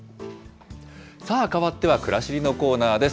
さあ、変わってはくらしりのコーナーです。